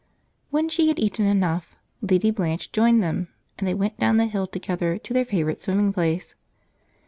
When she had eaten enough Lady Blanche joined them, and they went down the hill together to their favourite swimming place.